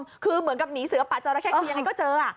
อืมคือเหมือนกับหนีเสือประโจนแค่คงยังไงก็เจอ